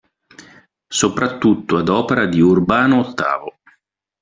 Soprattutto ad opera di Urbano VIII.